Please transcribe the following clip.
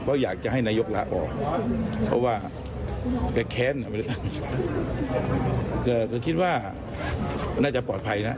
เพราะอยากจะให้นายกลาออกเพราะว่าแกแค้นก็คิดว่าน่าจะปลอดภัยนะ